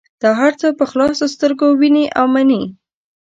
دا هر څه په خلاصو سترګو وینې او مني.